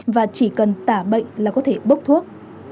và chỉ cần tả bệnh là có thể bốc thuốc